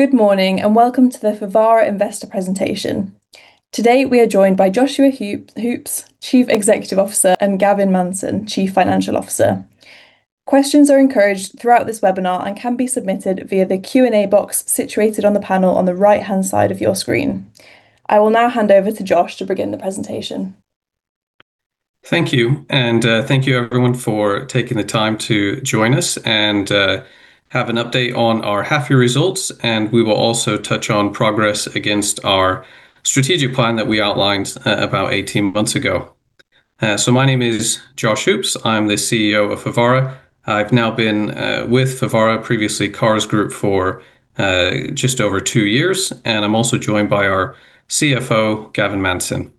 Good morning, and welcome to the Fevara Investor Presentation. Today, we are joined by Joshua Hoopes, Chief Executive Officer, and Gavin Manson, Chief Financial Officer. Questions are encouraged throughout this webinar and can be submitted via the Q&A box situated on the panel on the right-hand side of your screen. I will now hand over to Josh to begin the presentation. Thank you. Thank you, everyone, for taking the time to join us and have an update on our half-year results, and we will also touch on progress against our strategic plan that we outlined about 18 months ago. My name is Joshua Hoopes. I'm the CEO of Fevara. I've now been with Fevara, previously Carr's Group, for just over two years, and I'm also joined by our CFO, Gavin Manson.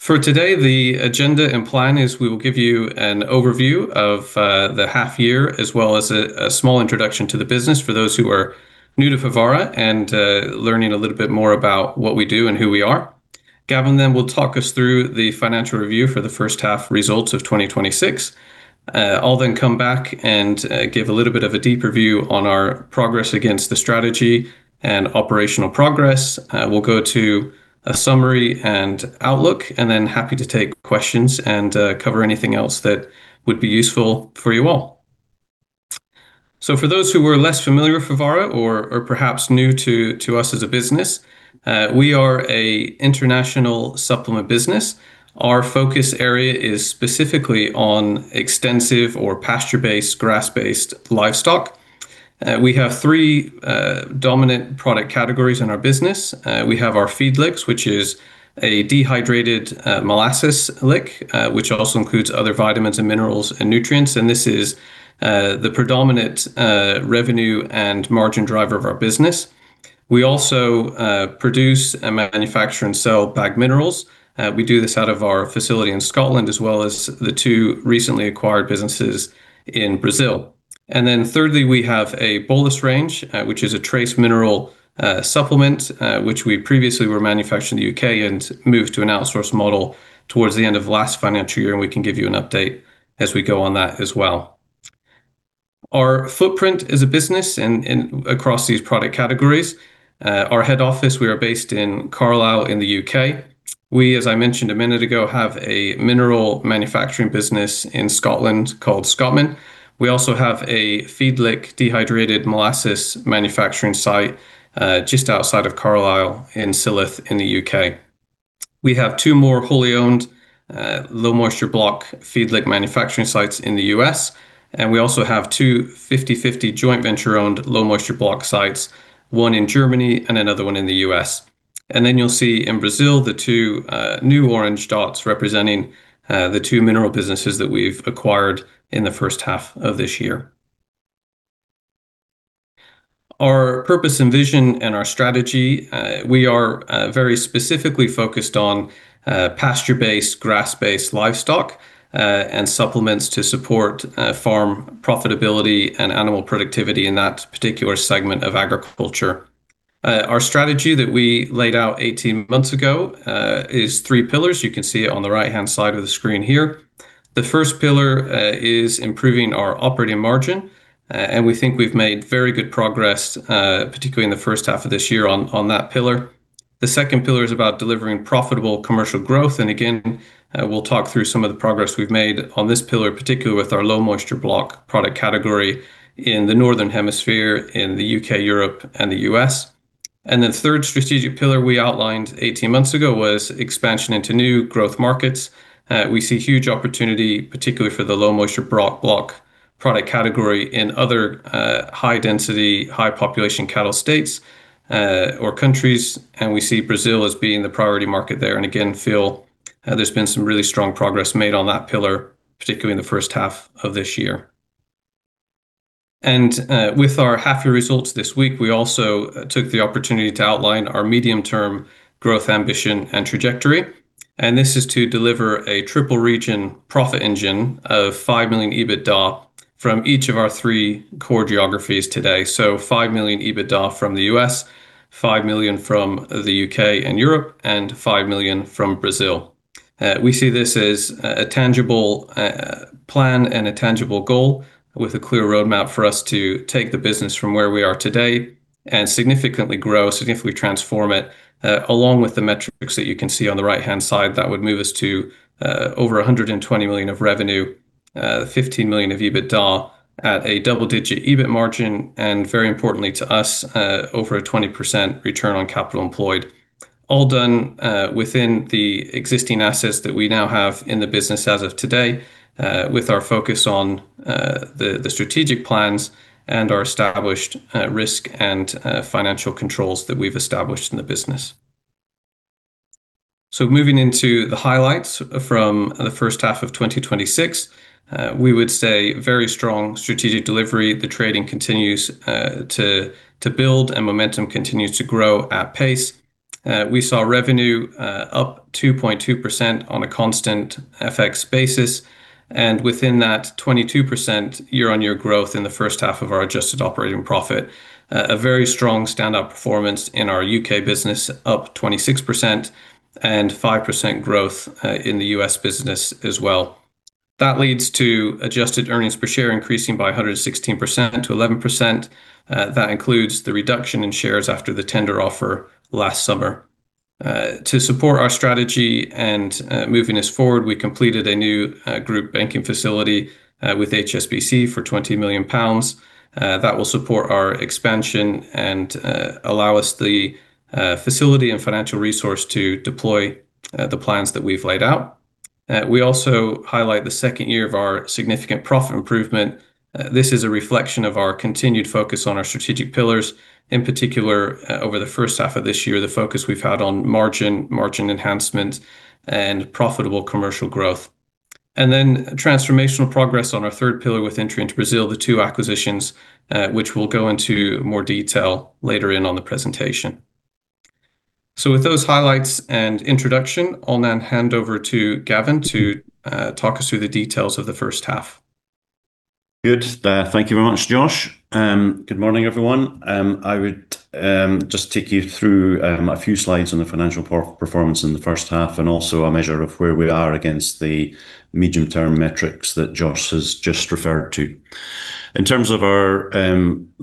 For today, the agenda and plan is we will give you an overview of the half year, as well as a small introduction to the business for those who are new to Fevara and learning a little bit more about what we do and who we are. Gavin then will talk us through the financial review for the first half results of 2026. I'll then come back and give a little bit of a deeper view on our progress against the strategy and operational progress. We'll go to a summary and outlook, and then I'm happy to take questions and cover anything else that would be useful for you all. For those who are less familiar with Fevara or perhaps new to us as a business, we are an international supplement business. Our focus area is specifically on extensive or pasture-based, grass-based livestock. We have three dominant product categories in our business. We have our Feed Licks, which is a dehydrated molasses lick, which also includes other vitamins and minerals and nutrients, and this is the predominant revenue and margin driver of our business. We also produce and manufacture and sell bagged minerals. We do this out of our facility in Scotland, as well as the two recently acquired businesses in Brazil. Thirdly, we have a bolus range, which is a trace mineral supplement, which we previously were manufacturing in the U.K. and moved to an outsourced model towards the end of last financial year, and we can give you an update as we go on that as well. Our footprint as a business and across these product categories, our head office, we are based in Carlisle in the U.K. We, as I mentioned a minute ago, have a mineral manufacturing business in Scotland called Scotmin. We also have a feed lick dehydrated molasses manufacturing site just outside of Carlisle in Silloth in the U.K. We have two more wholly-owned low moisture block feed lick manufacturing sites in the U.S., and we also have two 50/50 joint venture-owned low moisture block sites, one in Germany and another one in the U.S. You'll see in Brazil, the two new orange dots representing the two mineral businesses that we've acquired in the first half of this year. Our purpose and vision and our strategy, we are very specifically focused on pasture-based, grass-based livestock, and supplements to support farm profitability and animal productivity in that particular segment of agriculture. Our strategy that we laid out 18 months ago is three pillars. You can see it on the right-hand side of the screen here. The first pillar is improving our operating margin, and we think we've made very good progress, particularly in the first half of this year on that pillar. The second pillar is about delivering profitable commercial growth, and again, we'll talk through some of the progress we've made on this pillar, particularly with our low moisture block product category in the northern hemisphere, in the U.K., Europe, and the U.S. The third strategic pillar we outlined 18 months ago was expansion into new growth markets. We see huge opportunity, particularly for the low moisture block product category in other high density, high population cattle states or countries, and we see Brazil as being the priority market there, and again, feel there's been some really strong progress made on that pillar, particularly in the first half of this year. With our half-year results this week, we also took the opportunity to outline our medium-term growth ambition and trajectory, and this is to deliver a triple region profit engine of $5 million EBITDA from each of our three core geographies today. $5 million EBITDA from the U.S., $5 million from the U.K. and Europe, and $5 million from Brazil. We see this as a tangible plan and a tangible goal with a clear roadmap for us to take the business from where we are today and significantly grow, significantly transform it, along with the metrics that you can see on the right-hand side that would move us to over $120 million of revenue, $15 million of EBITDA at a double-digit EBIT margin, and very importantly to us, over a 20% return on capital employed, all done within the existing assets that we now have in the business as of today, with our focus on the strategic plans and our established risk and financial controls that we've established in the business. Moving into the highlights from the first half of 2026, we would say very strong strategic delivery. The trading continues to build and momentum continues to grow at pace. We saw revenue up 2.2% on a constant FX basis, and within that, 22% year-on-year growth in the first half of our adjusted operating profit. A very strong stand-out performance in our U.K. business, up 26%, and 5% growth in the U.S. business as well. That leads to adjusted earnings per share increasing by 116% to 11%. That includes the reduction in shares after the tender offer last summer. To support our strategy and moving us forward, we completed a new group banking facility with HSBC for 20 million pounds. That will support our expansion and allow us the facility and financial resource to deploy the plans that we've laid out. We also highlight the second year of our significant profit improvement. This is a reflection of our continued focus on our strategic pillars. In particular, over the first half of this year, the focus we've had on margin enhancement, and profitable commercial growth. Transformational progress on our third pillar with entry into Brazil, the two acquisitions, which we'll go into more detail later on in the presentation. With those highlights and introduction, I'll now hand over to Gavin to talk us through the details of the first half. Good. Thank you very much, Josh. Good morning, everyone. I would just take you through a few slides on the financial performance in the first half, and also a measure of where we are against the medium-term metrics that Josh has just referred to. In terms of our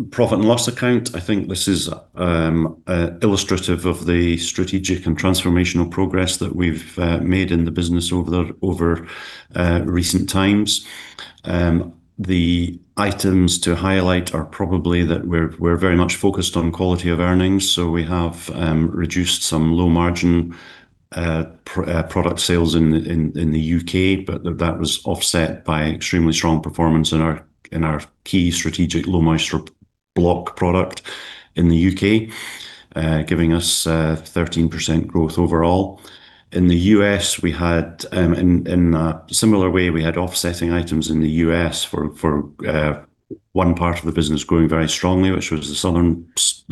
profit and loss account, I think this is illustrative of the strategic and transformational progress that we've made in the business over recent times. The items to highlight are probably that we're very much focused on quality of earnings, so we have reduced some low-margin product sales in the U.K., but that was offset by extremely strong performance in our key strategic low moisture block product in the U.K., giving us 13% growth overall. In a similar way, we had offsetting items in the U.S. for one part of the business growing very strongly, which was the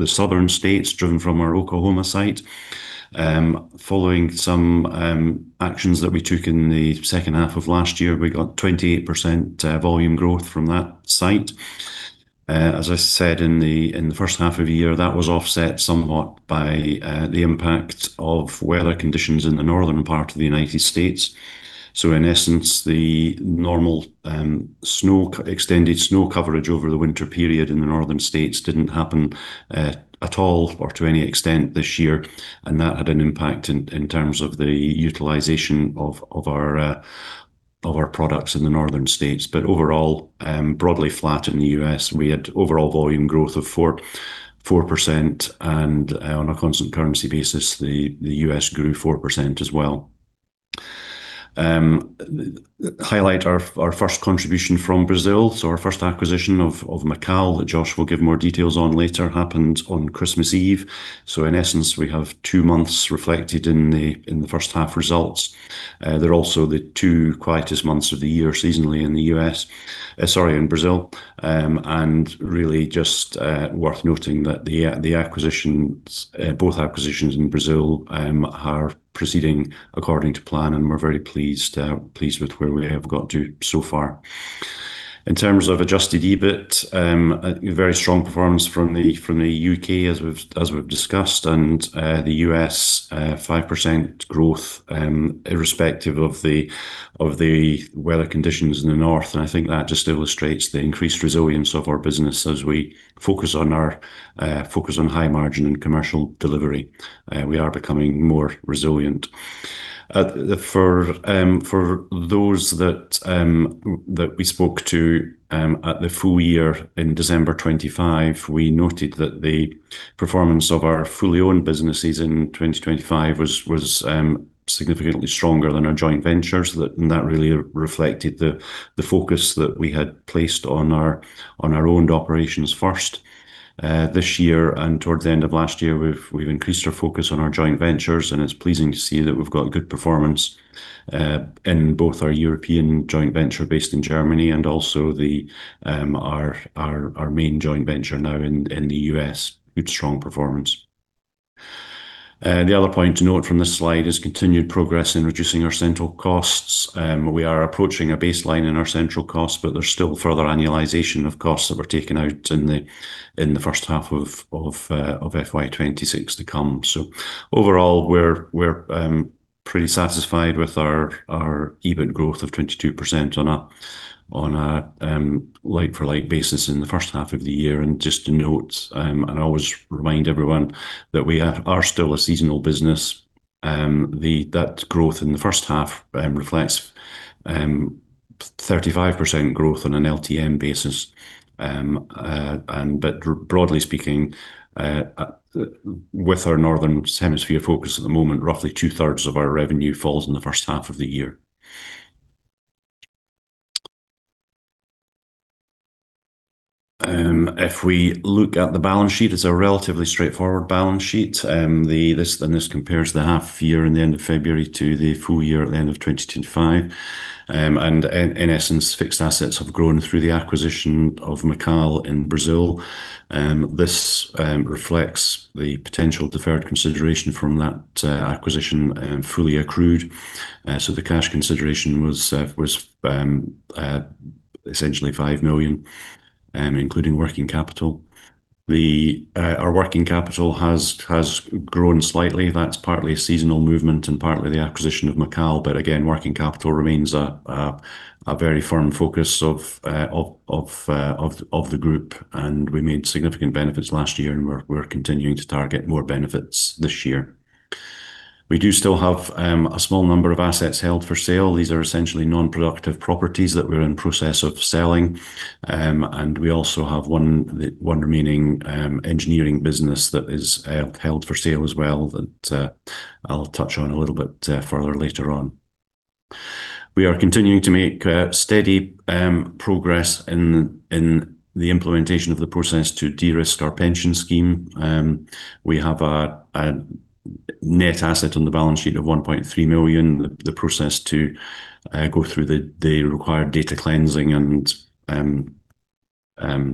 southern states, driven from our Oklahoma site. Following some actions that we took in the second half of last year, we got 28% volume growth from that site. As I said, in the first half of the year, that was offset somewhat by the impact of weather conditions in the northern part of the United States. In essence, the normal extended snow coverage over the winter period in the northern states didn't happen at all or to any extent this year. That had an impact in terms of the utilization of our products in the northern states. Overall, broadly flat in the U.S. We had overall volume growth of 4%, and on a constant currency basis, the U.S. grew 4% as well. Highlight our first contribution from Brazil, so our first acquisition of Macal, that Josh will give more details on later, happened on Christmas Eve. In essence, we have two months reflected in the first half results. They're also the two quietest months of the year seasonally in Brazil. Really just worth noting that both acquisitions in Brazil are proceeding according to plan, and we're very pleased with where we have got to so far. In terms of adjusted EBIT, a very strong performance from the U.K. as we've discussed, and the U.S. 5% growth irrespective of the weather conditions in the north. I think that just illustrates the increased resilience of our business as we focus on high margin and commercial delivery. We are becoming more resilient. For those that we spoke to at the full year in December 2025, we noted that the performance of our fully owned businesses in 2025 was significantly stronger than our joint ventures. That really reflected the focus that we had placed on our owned operations first this year, and towards the end of last year, we've increased our focus on our joint ventures, and it's pleasing to see that we've got good performance in both our European joint venture based in Germany and also our main joint venture now in the U.S. Good strong performance. The other point to note from this slide is continued progress in reducing our central costs. We are approaching a baseline in our central costs, but there's still further annualization of costs that were taken out in the first half of FY 2026 to come. Overall, we're pretty satisfied with our EBIT growth of 22% on a like for like basis in the first half of the year. Just to note, I always remind everyone that we are still a seasonal business. That growth in the first half reflects 35% growth on an LTM basis. Broadly speaking, with our northern hemisphere focus at the moment, roughly two-thirds of our revenue falls in the first half of the year. If we look at the balance sheet, it's a relatively straightforward balance sheet. This compares the half year to the end of February to the full year at the end of 2025. In essence, fixed assets have grown through the acquisition of Macal in Brazil. This reflects the potential deferred consideration from that acquisition fully accrued. The cash consideration was essentially 5 million, including working capital. Our working capital has grown slightly. That's partly a seasonal movement and partly the acquisition of Macal. Again, working capital remains a very firm focus of the group, and we made significant benefits last year, and we're continuing to target more benefits this year. We do still have a small number of assets held for sale. These are essentially non-productive properties that we're in process of selling. We also have one remaining engineering business that is held for sale as well that I'll touch on a little bit further later on. We are continuing to make steady progress in the implementation of the process to de-risk our pension scheme. We have a net asset on the balance sheet of 1.3 million. The process to go through the required data cleansing and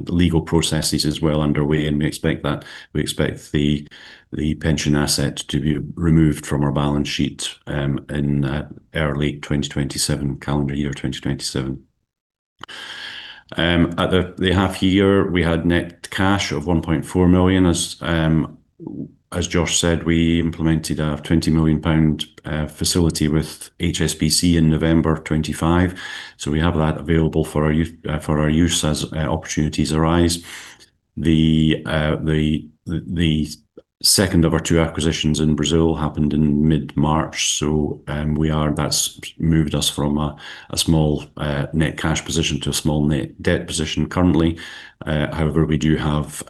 legal processes is well underway, and we expect the pension asset to be removed from our balance sheet in early 2027, calendar year 2027. At the half year, we had net cash of 1.4 million. As Josh said, we implemented a 20 million pound facility with HSBC in November 2025. We have that available for our use as opportunities arise. The second of our two acquisitions in Brazil happened in mid-March, so that's moved us from a small net cash position to a small net debt position currently. However, we do have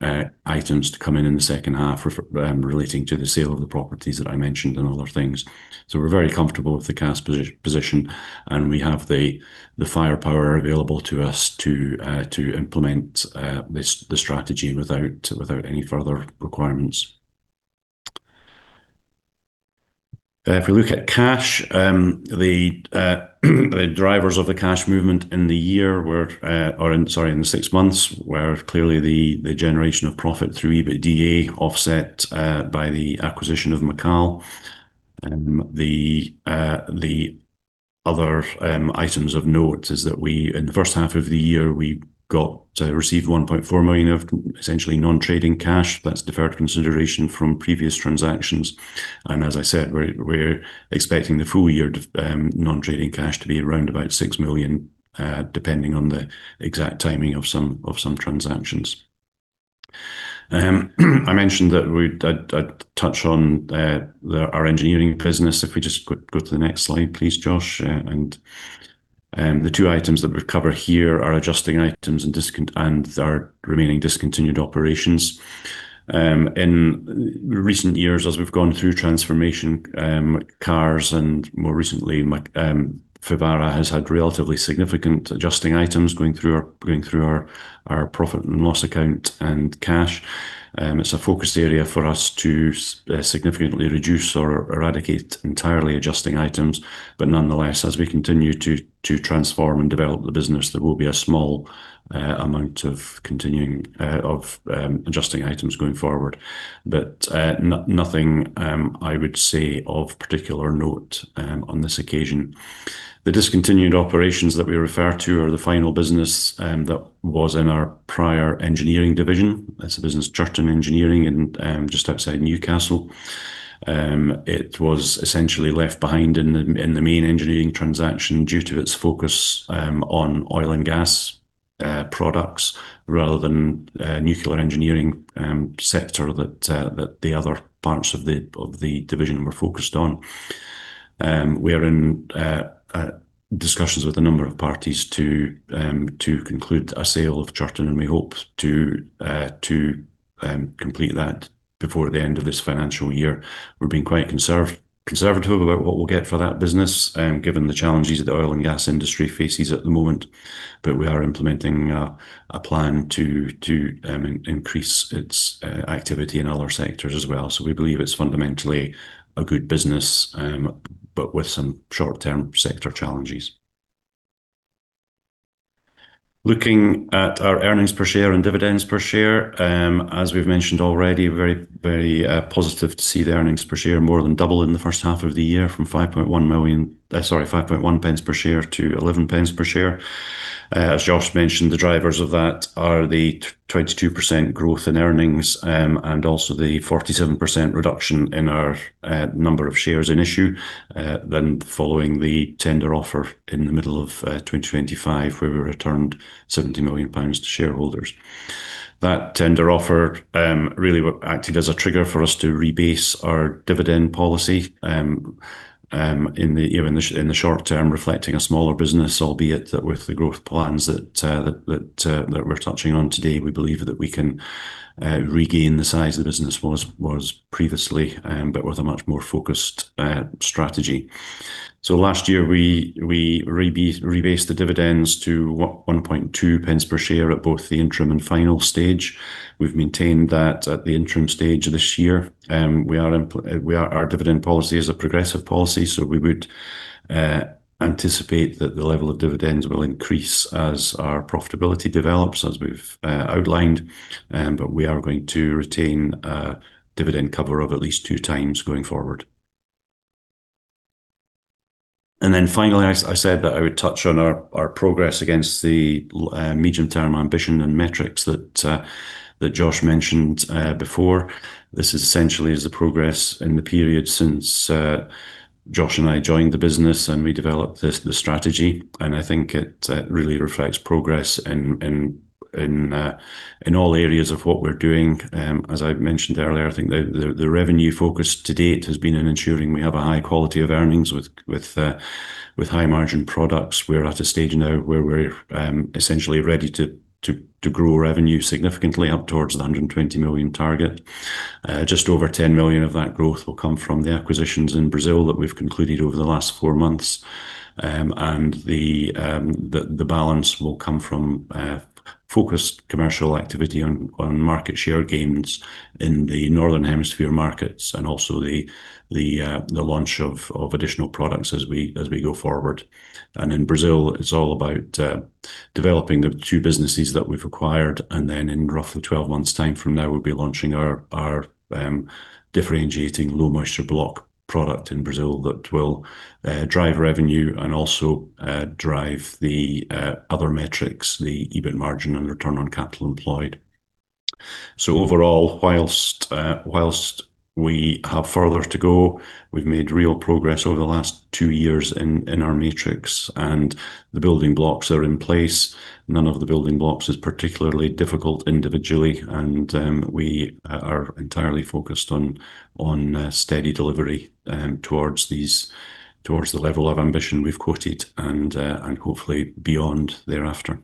non-trading items to come in in the second half relating to the sale of the properties that I mentioned and other things. We're very comfortable with the cash position, and we have the firepower available to us to implement the strategy without any further requirements. If we look at cash, the drivers of the cash movement in the six months were clearly the generation of profit through EBITDA offset by the acquisition of Macal. The other items of note is that in the first half of the year, we received 1.4 million of essentially non-trading cash that's deferred consideration from previous transactions. As I said, we're expecting the full year non-trading cash to be around about 6 million, depending on the exact timing of some transactions. I mentioned that I'd touch on our engineering business. If we just go to the next slide, please, Josh. The two items that we've covered here are adjusting items and our remaining discontinued operations. In recent years, as we've gone through transformation, Carr's, and more recently Fevara has had relatively significant adjusting items going through our profit and loss account and cash. It's a focus area for us to significantly reduce or eradicate entirely adjusting items. Nonetheless, as we continue to transform and develop the business, there will be a small amount of continuing of adjusting items going forward. Nothing, I would say, of particular note on this occasion. The discontinued operations that we refer to are the final business that was in our prior engineering division. That's the business Chirton Engineering just outside Newcastle. It was essentially left behind in the main engineering transaction due to its focus on oil and gas products rather than nuclear engineering sector that the other parts of the division were focused on. We're in discussions with a number of parties to conclude a sale of Chirton, and we hope to complete that before the end of this financial year. We're being quite conservative about what we'll get for that business, given the challenges that the oil and gas industry faces at the moment. We are implementing a plan to increase its activity in other sectors as well. We believe it's fundamentally a good business, but with some short-term sector challenges. Looking at our earnings per share and dividends per share. As we've mentioned already, very positive to see the earnings per share more than double in the first half of the year from 5.1 million, sorry, 5.1 pence per share to 11 pence per share. As Josh mentioned, the drivers of that are the 22% growth in earnings, and also the 47% reduction in our number of shares in issue, then following the tender offer in the middle of 2025, where we returned 70 million pounds to shareholders. That tender offer really acted as a trigger for us to rebase our dividend policy, in the short term, reflecting a smaller business, albeit that with the growth plans that we're touching on today, we believe that we can regain the size the business was previously, but with a much more focused strategy. Last year, we rebased the dividends to 1.2 pence per share at both the interim and final stage. We've maintained that at the interim stage this year. Our dividend policy is a progressive policy, so we would anticipate that the level of dividends will increase as our profitability develops, as we've outlined. We are going to retain a dividend cover of at least 2x going forward. Finally, I said that I would touch on our progress against the medium-term ambition and metrics that Josh mentioned before. This essentially is the progress in the period since Josh and I joined the business, and we developed the strategy, and I think it really reflects progress in all areas of what we're doing. As I mentioned earlier, I think the revenue focus to date has been on ensuring we have a high quality of earnings with high margin products. We're at a stage now where we're essentially ready to grow revenue significantly up towards the 120 million target. Just over 10 million of that growth will come from the acquisitions in Brazil that we've concluded over the last four months. The balance will come from focused commercial activity on market share gains in the Northern Hemisphere markets, and also the launch of additional products as we go forward. In Brazil, it's all about developing the two businesses that we've acquired. In roughly 12 months' time from now, we'll be launching our differentiating low moisture block product in Brazil that will drive revenue and also drive the other metrics, the EBIT margin and return on capital employed. Overall, while we have further to go, we've made real progress over the last two years in our metrics, and the building blocks are in place. None of the building blocks is particularly difficult individually, and we are entirely focused on steady delivery towards the level of ambition we've quoted and hopefully beyond thereafter.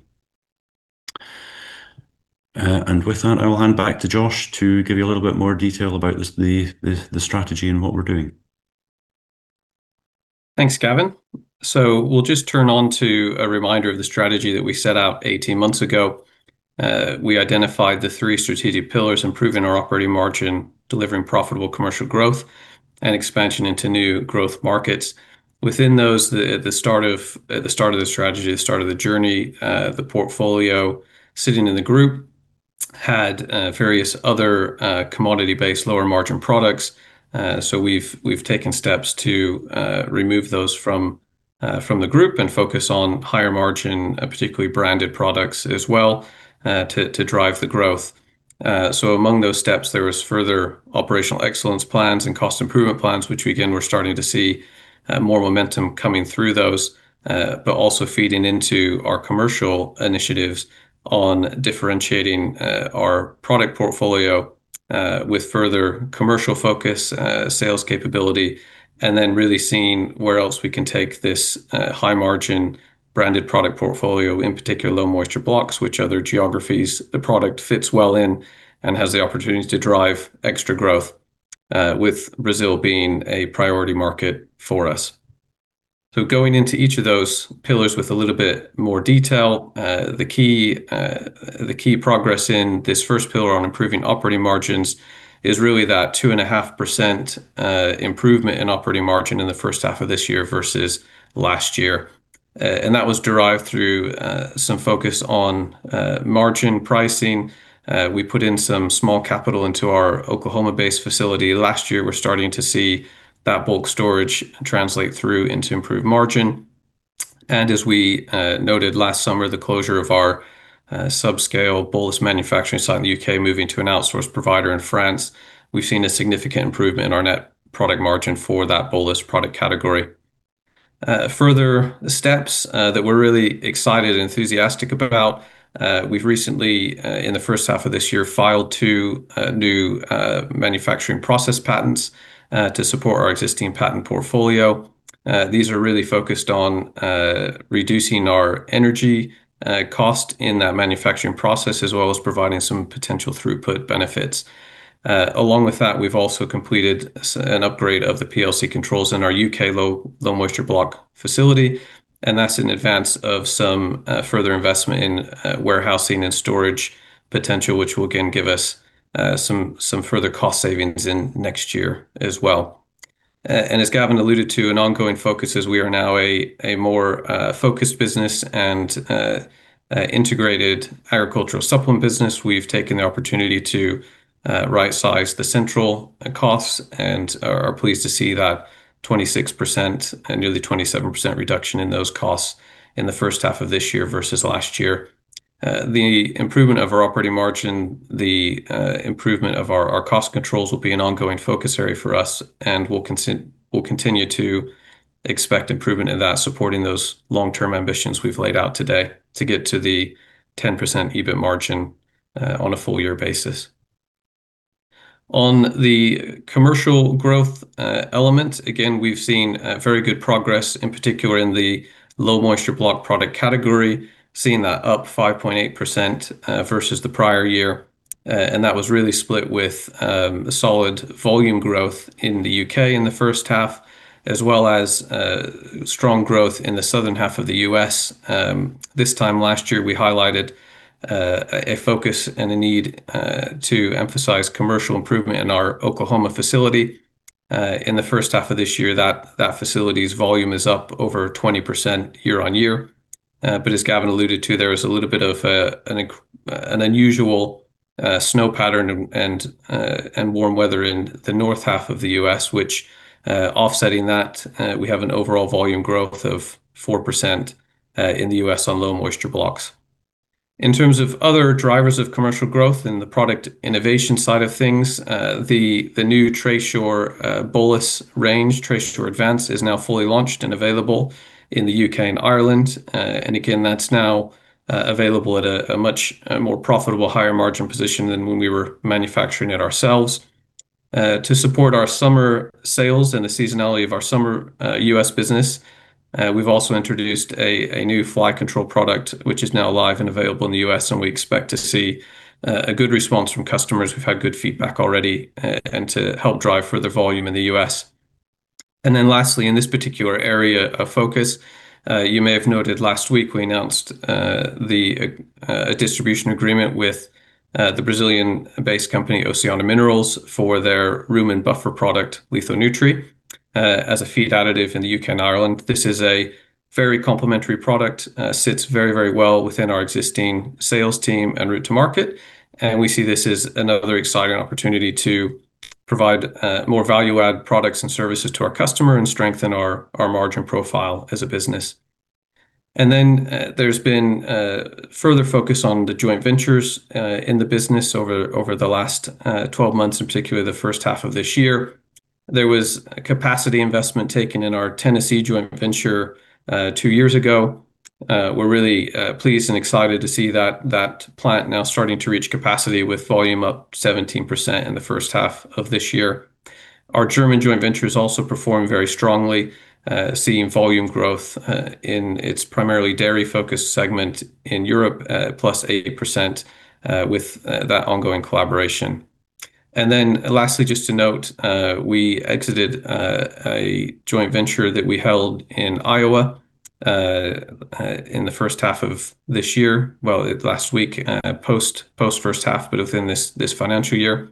With that, I will hand back to Josh to give you a little bit more detail about the strategy and what we're doing. Thanks, Gavin. We'll just turn to a reminder of the strategy that we set out 18 months ago. We identified the three strategic pillars, improving our operating margin, delivering profitable commercial growth, and expansion into new growth markets. Within those, at the start of the strategy, the start of the journey, the portfolio sitting in the group had various other commodity-based lower margin products. We've taken steps to remove those from the group and focus on higher margin, particularly branded products as well, to drive the growth. Among those steps, there was further operational excellence plans and cost improvement plans, which again, we're starting to see more momentum coming through those, but also feeding into our commercial initiatives on differentiating our product portfolio, with further commercial focus, sales capability, and then really seeing where else we can take this high margin branded product portfolio, in particular low moisture blocks, which other geographies the product fits well in and has the opportunity to drive extra growth, with Brazil being a priority market for us. Going into each of those pillars with a little bit more detail, the key progress in this first pillar on improving operating margins is really that 2.5% improvement in operating margin in the first half of this year versus last year. That was derived through some focus on margin pricing. We put in some small capital into our Oklahoma-based facility last year. We're starting to see that bulk storage translate through into improved margin. As we noted last summer, the closure of our subscale bolus manufacturing site in the U.K., moving to an outsourced provider in France, we've seen a significant improvement in our net product margin for that bolus product category. Further steps that we're really excited and enthusiastic about, we've recently, in the first half of this year, filed two new manufacturing process patents to support our existing patent portfolio. These are really focused on reducing our energy cost in that manufacturing process, as well as providing some potential throughput benefits. Along with that, we've also completed an upgrade of the PLC controls in our U.K. low moisture block facility, and that's in advance of some further investment in warehousing and storage potential, which will again give us some further cost savings in next year as well. As Gavin alluded to, an ongoing focus as we are now a more focused business and integrated agricultural supplement business, we've taken the opportunity to right size the central costs and are pleased to see that 26%, nearly 27% reduction in those costs in the first half of this year versus last year. The improvement of our operating margin, the improvement of our cost controls will be an ongoing focus area for us, and we'll continue to expect improvement in that, supporting those long-term ambitions we've laid out today to get to the 10% EBIT margin on a full year basis. On the commercial growth element, again, we've seen very good progress, in particular in the low moisture block product category, seeing that up 5.8% versus the prior year. That was really split with solid volume growth in the U.K. in the first half, as well as strong growth in the southern half of the U.S. This time last year, we highlighted a focus and a need to emphasize commercial improvement in our Oklahoma facility. In the first half of this year, that facility's volume is up over 20% year-over-year. As Gavin alluded to, there was a little bit of an unusual snow pattern and warm weather in the north half of the U.S., which, offsetting that, we have an overall volume growth of 4% in the U.S. on low moisture blocks. In terms of other drivers of commercial growth in the product innovation side of things, the new Tracesure Bolus range, Tracesure Advance is now fully launched and available in the U.K. and Ireland. Again, that's now available at a much more profitable higher margin position than when we were manufacturing it ourselves. To support our summer sales and the seasonality of our summer U.S. business, we've also introduced a new fly control product, which is now live and available in the U.S., and we expect to see a good response from customers. We've had good feedback already, and to help drive further volume in the U.S. Then lastly, in this particular area of focus, you may have noted last week we announced a distribution agreement with the Brazilian-based company, Oceana Minerals, for their rumen buffer product, LithoNutri, as a feed additive in the U.K. and Ireland. This is a very complementary product, sits very well within our existing sales team and route to market. We see this as another exciting opportunity to provide more value-add products and services to our customer and strengthen our margin profile as a business. Then there's been further focus on the joint ventures in the business over the last 12 months, in particular, the first half of this year. There was a capacity investment taken in our Tennessee joint venture two years ago. We're really pleased and excited to see that plant now starting to reach capacity with volume up 17% in the first half of this year. Our German joint venture has also performed very strongly, seeing volume growth in its primarily dairy-focused segment in Europe, 80% with that ongoing collaboration. Then lastly, just to note, we exited a joint venture that we held in Iowa in the first half of this year, well, last week, post first half, but within this financial year.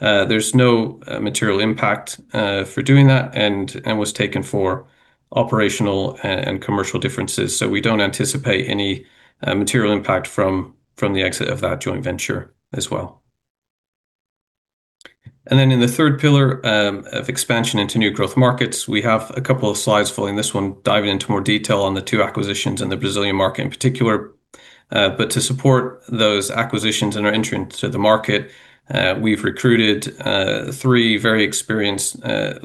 There's no material impact for doing that and was taken for operational and commercial differences. We don't anticipate any material impact from the exit of that joint venture as well. In the third pillar of expansion into new growth markets, we have a couple of slides following this one, diving into more detail on the two acquisitions in the Brazilian market in particular. To support those acquisitions and our entrance to the market, we've recruited three very experienced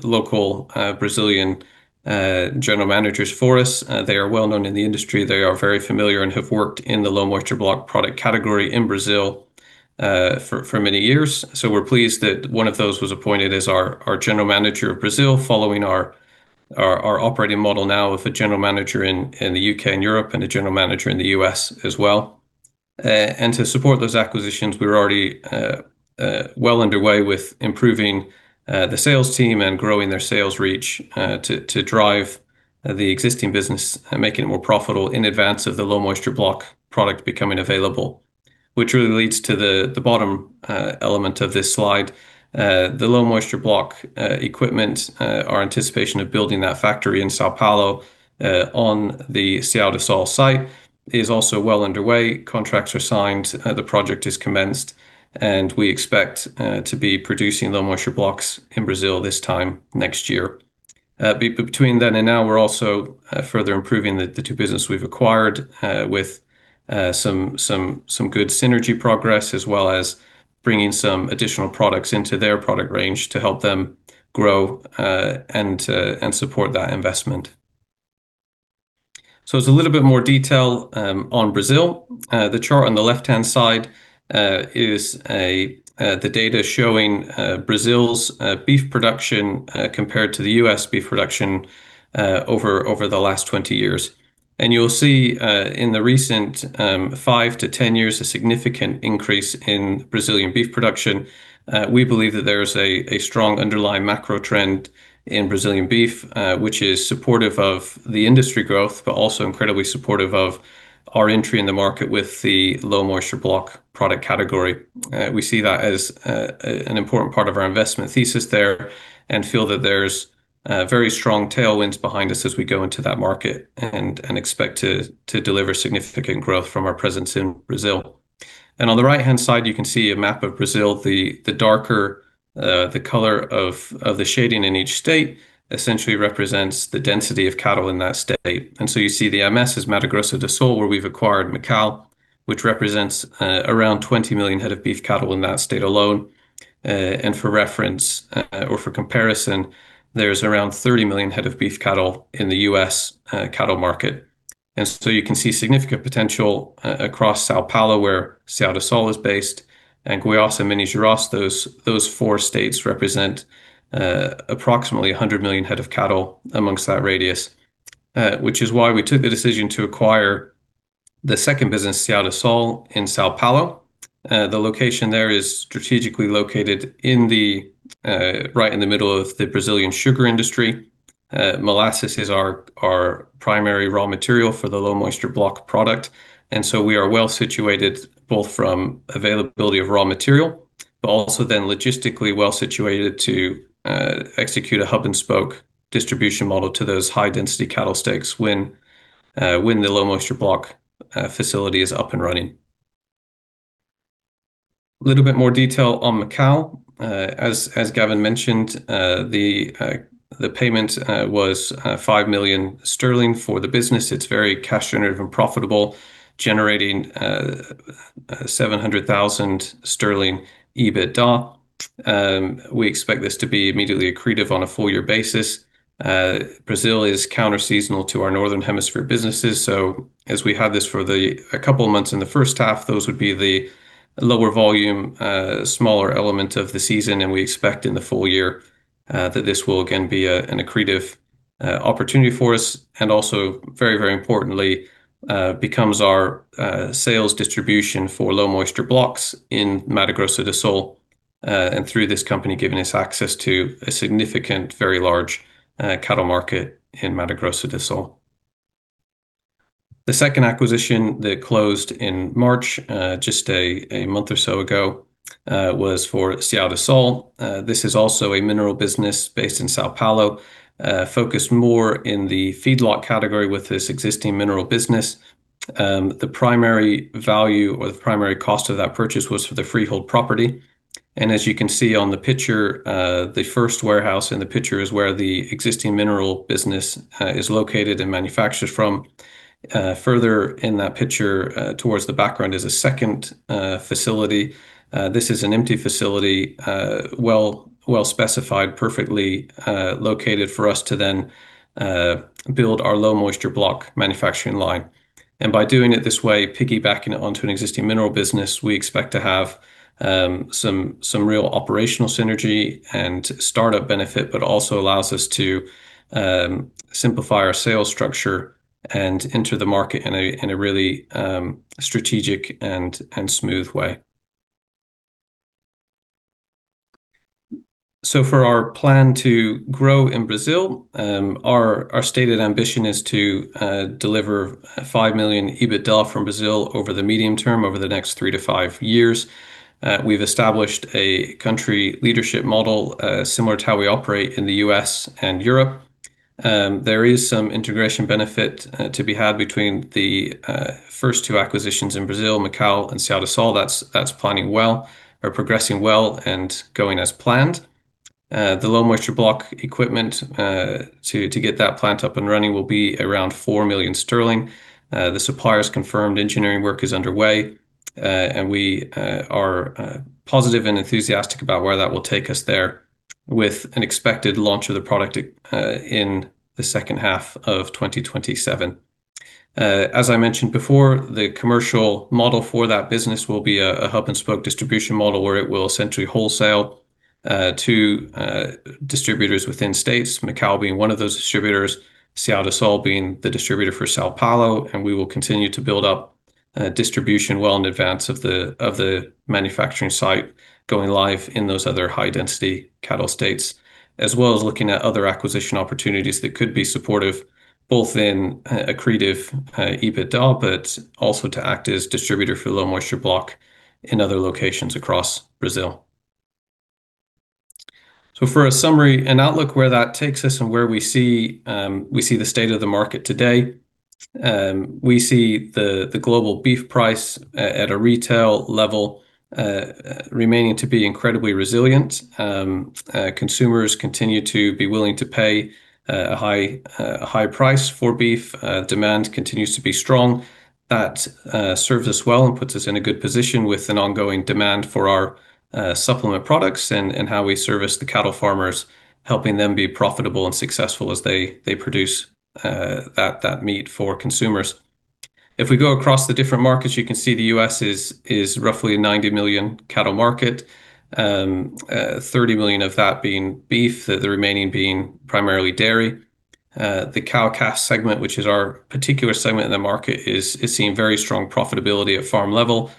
local Brazilian general managers for us. They are well-known in the industry. They are very familiar and have worked in the low moisture block product category in Brazil for many years. We're pleased that one of those was appointed as our general manager of Brazil, following our operating model now with a general manager in the U.K. and Europe and a general manager in the U.S. as well. To support those acquisitions, we're already well underway with improving the sales team and growing their sales reach to drive the existing business and making it more profitable in advance of the low moisture block product becoming available, which really leads to the bottom element of this slide. The low moisture block equipment, our anticipation of building that factory in São Paulo on the Ceadesul site is also well underway. Contracts are signed, the project is commenced, and we expect to be producing low moisture blocks in Brazil this time next year. Between then and now, we're also further improving the two business we've acquired with some good synergy progress, as well as bringing some additional products into their product range to help them grow and support that investment. There's a little bit more detail on Brazil. The chart on the left-hand side is the data showing Brazil's beef production compared to the U.S. beef production over the last 20 years. You'll see in the recent five to 10 years, a significant increase in Brazilian beef production. We believe that there is a strong underlying macro trend in Brazilian beef, which is supportive of the industry growth, but also incredibly supportive of our entry in the market with the low moisture block product category. We see that as an important part of our investment thesis there and feel that there's very strong tailwinds behind us as we go into that market and expect to deliver significant growth from our presence in Brazil. On the right-hand side, you can see a map of Brazil. The darker the color of the shading in each state essentially represents the density of cattle in that state. You see the MS is Mato Grosso do Sul, where we've acquired Macal, which represents around 20 million head of beef cattle in that state alone. For reference or for comparison, there's around 30 million head of beef cattle in the U.S. cattle market. You can see significant potential across São Paulo, where Ceadesul is based, and Goiás and Minas Gerais, those four states represent approximately 100 million head of cattle amongst that radius which is why we took the decision to acquire the second business, Ceadesul in São Paulo. The location there is strategically located right in the middle of the Brazilian sugar industry. Molasses is our primary raw material for the low moisture block product, and so we are well situated both from availability of raw material. But also then logistically well situated to execute a hub and spoke distribution model to those high-density cattle states when the low moisture block facility is up and running. Little bit more detail on Macal. As Gavin mentioned, the payment was 5 million sterling for the business. It's very cash generative and profitable, generating 700,000 sterling EBITDA. We expect this to be immediately accretive on a full-year basis. Brazil is counter seasonal to our northern hemisphere businesses. As we have this for a couple of months in the first half, those would be the lower volume, smaller element of the season, and we expect in the full year that this will again be an accretive opportunity for us. Also very, very importantly, becomes our sales distribution for low moisture blocks in Mato Grosso do Sul, and through this company, giving us access to a significant, very large, cattle market in Mato Grosso do Sul. The second acquisition that closed in March, just a month or so ago, was for Ceadesul. This is also a mineral business based in São Paulo, focused more in the feedlot category with its existing mineral business. The primary value or the primary cost of that purchase was for the freehold property. As you can see on the picture, the first warehouse in the picture is where the existing mineral business is located and manufactured from. Further in that picture, towards the background is a second facility. This is an empty facility, well-specified, perfectly located for us to then build our low moisture block manufacturing line. By doing it this way, piggybacking it onto an existing mineral business, we expect to have some real operational synergy and startup benefit, but also allows us to simplify our sales structure and enter the market in a really strategic and smooth way. For our plan to grow in Brazil, our stated ambition is to deliver $5 million EBITDA from Brazil over the medium term, over the next three to five years. We've established a country leadership model similar to how we operate in the U.S. and Europe. There is some integration benefit to be had between the first two acquisitions in Brazil, Macal and Ceadesul. That's planning well or progressing well and going as planned. The low moisture block equipment, to get that plant up and running will be around 4 million sterling. The suppliers confirmed engineering work is underway. We are positive and enthusiastic about where that will take us there with an expected launch of the product in the second half of 2027. As I mentioned before, the commercial model for that business will be a hub and spoke distribution model where it will essentially wholesale to distributors within states, Macal being one of those distributors, Ceadesul being the distributor for São Paulo. We will continue to build up distribution well in advance of the manufacturing site going live in those other high-density cattle states, as well as looking at other acquisition opportunities that could be supportive both in accretive, EBITDA, but also to act as distributor for low moisture block in other locations across Brazil. For a summary and outlook where that takes us and where we see the state of the market today. We see the global beef price at a retail level remaining to be incredibly resilient. Consumers continue to be willing to pay a high price for beef. Demand continues to be strong. That serves us well and puts us in a good position with an ongoing demand for our supplement products and how we service the cattle farmers, helping them be profitable and successful as they produce that meat for consumers. If we go across the different markets, you can see the U.S. is roughly a 90 million cattle market, 30 million of that being beef, the remaining being primarily dairy. The cow-calf segment, which is our particular segment in the market, is seeing very strong profitability at farm level,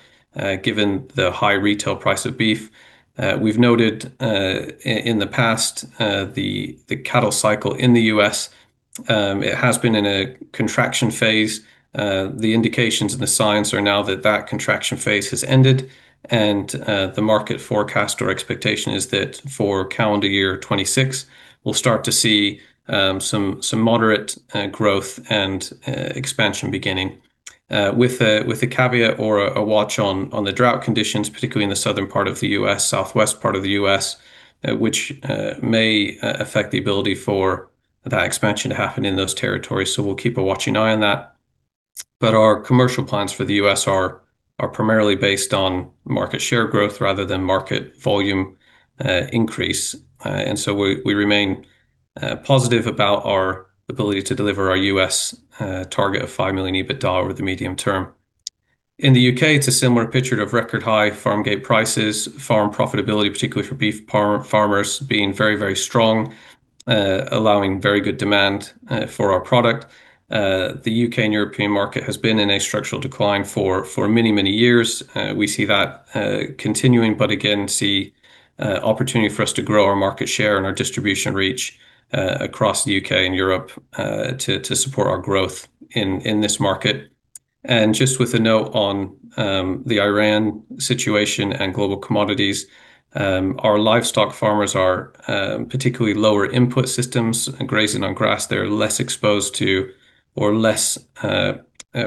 given the high retail price of beef. We've noted in the past, the cattle cycle in the U.S., it has been in a contraction phase. The indications and the signs are now that contraction phase has ended and the market forecast or expectation is that for calendar year 2026, we'll start to see some moderate growth and expansion beginning, with a caveat or a watch on the drought conditions, particularly in the southern part of the U.S., southwest part of the U.S., which may affect the ability for that expansion to happen in those territories. We'll keep a watching eye on that. Our commercial plans for the U.S. are primarily based on market share growth rather than market volume increase. We remain positive about our ability to deliver our U.S. target of $5 million EBITDA over the medium term. In the U.K., it's a similar picture of record high farm gate prices, farm profitability, particularly for beef farmers being very, very strong, allowing very good demand for our product. The U.K. and European market has been in a structural decline for many, many years. We see that continuing, but again see opportunity for us to grow our market share and our distribution reach across the U.K. and Europe to support our growth in this market. Just with a note on the Iran situation and global commodities, our livestock farmers are particularly lower input systems and grazing on grass. They're less exposed to or less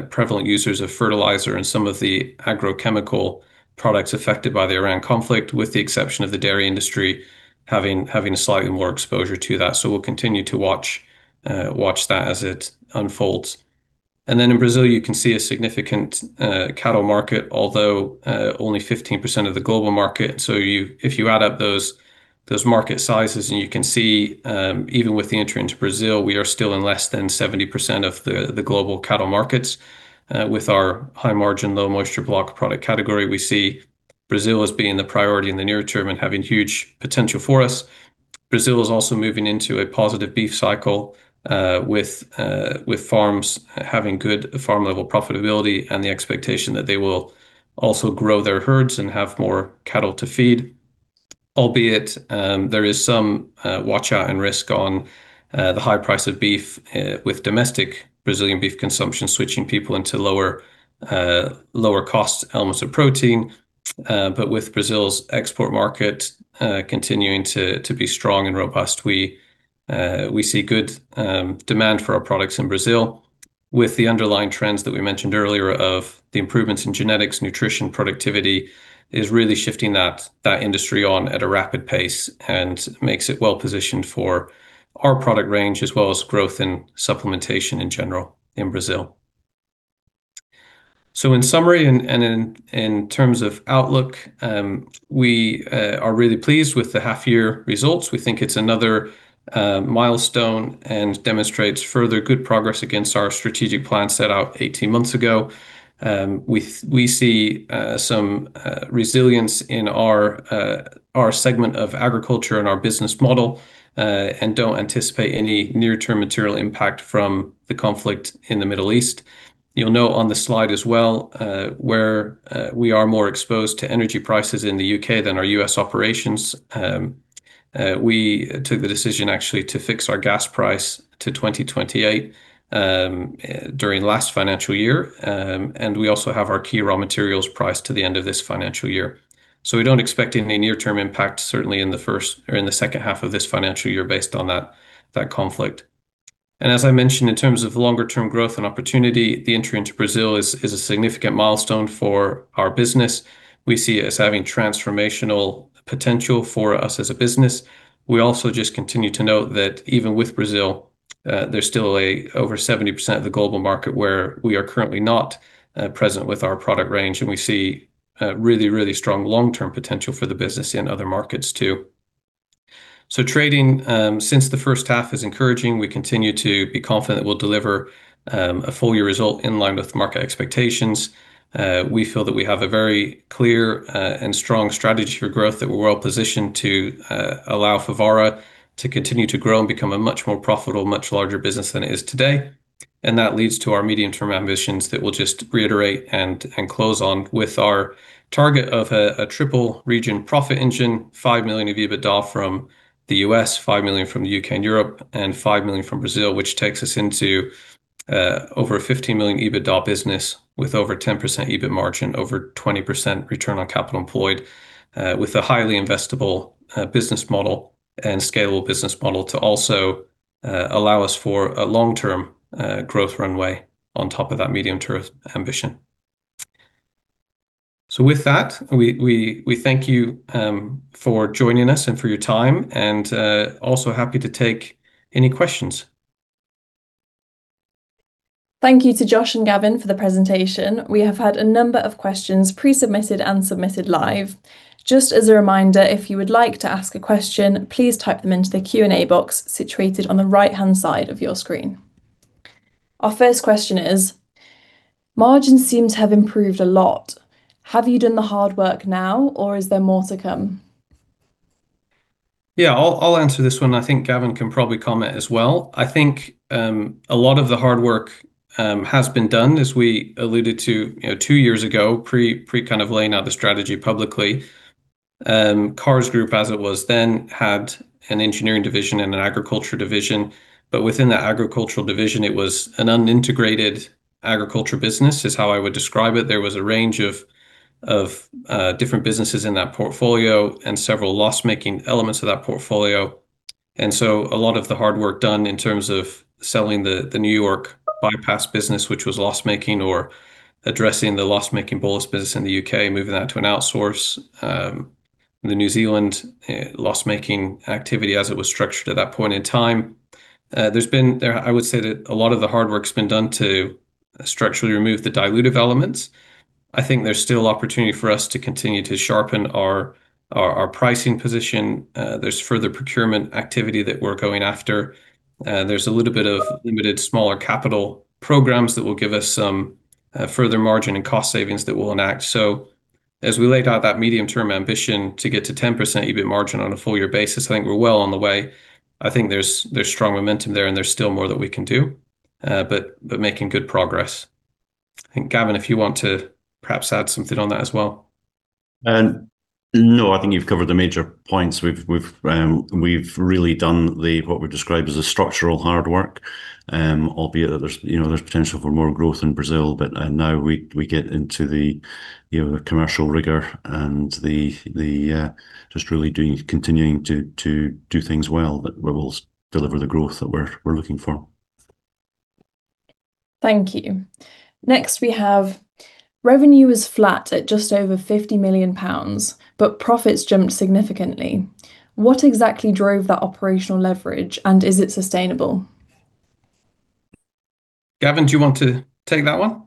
prevalent users of fertilizer and some of the agrochemical products affected by the Iran conflict, with the exception of the dairy industry having a slightly more exposure to that. We'll continue to watch that as it unfolds. In Brazil, you can see a significant cattle market, although only 15% of the global market. If you add up those market sizes, and you can see even with the entry into Brazil, we are still in less than 70% of the global cattle markets with our high margin, low moisture block product category. We see Brazil as being the priority in the near term and having huge potential for us. Brazil is also moving into a positive beef cycle, with farms having good farm-level profitability and the expectation that they will also grow their herds and have more cattle to feed. Albeit there is some watch out and risk on the high price of beef with domestic Brazilian beef consumption switching people into lower cost elements of protein. With Brazil's export market continuing to be strong and robust, we see good demand for our products in Brazil with the underlying trends that we mentioned earlier of the improvements in genetics, nutrition, productivity is really shifting that industry on at a rapid pace and makes it well positioned for our product range as well as growth in supplementation in general in Brazil. In summary, and in terms of outlook, we are really pleased with the half year results. We think it's another milestone and demonstrates further good progress against our strategic plan set out 18 months ago. We see some resilience in our segment of agriculture and our business model, and don't anticipate any near-term material impact from the conflict in the Middle East. You'll note on the slide as well, where we are more exposed to energy prices in the U.K. than our U.S. operations. We took the decision actually to fix our gas price to 2028 during last financial year. We also have our key raw materials priced to the end of this financial year. We don't expect any near-term impact, certainly in the first or in the second half of this financial year based on that conflict. As I mentioned, in terms of longer-term growth and opportunity, the entry into Brazil is a significant milestone for our business. We see it as having transformational potential for us as a business. We also just continue to note that even with Brazil, there's still over 70% of the global market where we are currently not present with our product range, and we see really strong long-term potential for the business in other markets too. Trading since the first half is encouraging. We continue to be confident that we'll deliver a full-year result in line with market expectations. We feel that we have a very clear and strong strategy for growth that we're well positioned to allow Fevara to continue to grow and become a much more profitable, much larger business than it is today. That leads to our medium-term ambitions that we'll just reiterate and close on with our target of a triple region profit engine, $5 million of EBITDA from the U.S., $5 million from the U.K. and Europe, and $5 million from Brazil, which takes us into over a $15 million EBITDA business with over 10% EBIT margin, over 20% return on capital employed, with a highly investable business model and scalable business model to also allow us for a long-term growth runway on top of that medium-term ambition. With that, we thank you for joining us and for your time, and also happy to take any questions. Thank you to Josh and Gavin for the presentation. We have had a number of questions pre-submitted and submitted live. Just as a reminder, if you would like to ask a question, please type them into the Q&A box situated on the right-hand side of your screen. Our first question is: Margins seem to have improved a lot. Have you done the hard work now, or is there more to come? Yeah, I'll answer this one. I think Gavin can probably comment as well. I think a lot of the hard work has been done, as we alluded to two years ago, pre laying out the strategy publicly. Carr's Group, as it was then, had an engineering division and an agriculture division, but within the agricultural division, it was an unintegrated agriculture business, is how I would describe it. There was a range of different businesses in that portfolio and several loss-making elements of that portfolio. A lot of the hard work done in terms of selling the New York bypass business, which was loss-making, or addressing the loss-making bolus business in the U.K., moving that to an outsource, the New Zealand loss-making activity as it was structured at that point in time. I would say that a lot of the hard work's been done to structurally remove the dilutive elements. I think there's still opportunity for us to continue to sharpen our pricing position. There's further procurement activity that we're going after. There's a little bit of limited smaller capital programs that will give us some further margin and cost savings that we'll enact. As we laid out that medium-term ambition to get to 10% EBIT margin on a full-year basis, I think we're well on the way. I think there's strong momentum there, and there's still more that we can do. Making good progress. I think, Gavin, if you want to perhaps add something on that as well. No, I think you've covered the major points. We've really done what we've described as the structural hard work, albeit that there's potential for more growth in Brazil. Now we get into the commercial rigor and the just really continuing to do things well, that will deliver the growth that we're looking for. Thank you. Next, we have revenue was flat at just over 50 million pounds, but profits jumped significantly. What exactly drove that operational leverage, and is it sustainable? Gavin, do you want to take that one?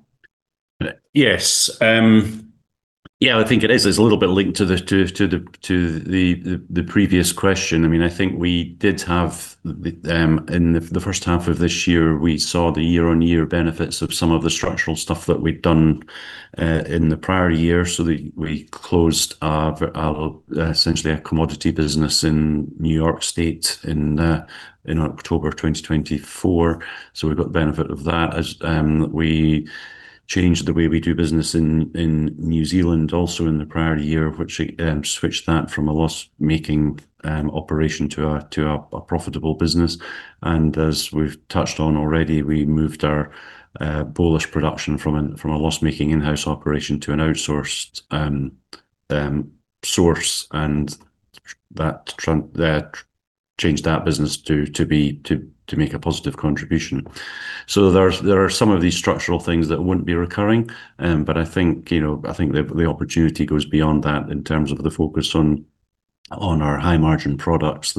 Yes. Yeah, I think it is a little bit linked to the previous question. I think in the first half of this year, we saw the year-on-year benefits of some of the structural stuff that we'd done in the prior year. We closed essentially a commodity business in New York State in October of 2024. We got the benefit of that as we changed the way we do business in New Zealand, also in the prior year, which switched that from a loss-making operation to a profitable business. As we've touched on already, we moved our bolus production from a loss-making in-house operation to an outsourced source, and changed that business to make a positive contribution. There are some of these structural things that wouldn't be recurring. I think the opportunity goes beyond that in terms of the focus on our high margin products.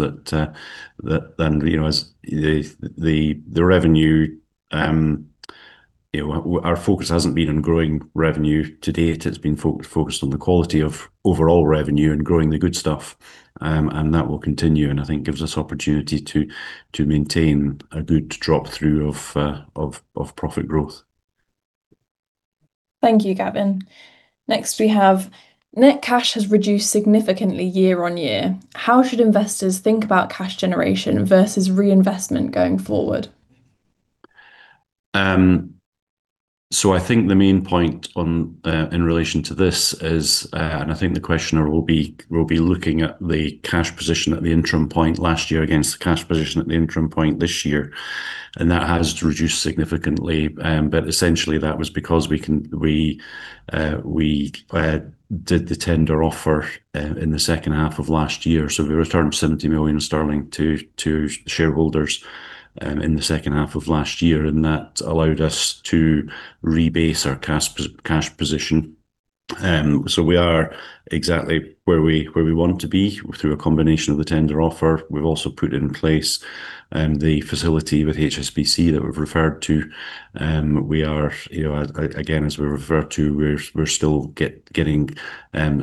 Our focus hasn't been on growing revenue to date. It has been focused on the quality of overall revenue and growing the good stuff, and that will continue and I think gives us opportunity to maintain a good drop-through of profit growth. Thank you, Gavin. Next, we have net cash has reduced significantly year-over-year. How should investors think about cash generation versus reinvestment going forward? I think the main point in relation to this is, and I think the questioner will be looking at the cash position at the interim point last year against the cash position at the interim point this year, and that has reduced significantly. Essentially, that was because we did the tender offer in the second half of last year. We returned 70 million sterling to shareholders in the second half of last year, and that allowed us to rebase our cash position. We are exactly where we want to be through a combination of the tender offer. We've also put in place the facility with HSBC that we've referred to. Again, as we referred to, we're still getting